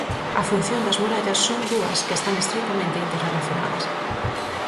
A función das murallas son dúas que están estreitamente interrelacionadas.